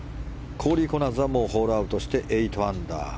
コーリー・コナーズはもうホールアウトして８アンダー。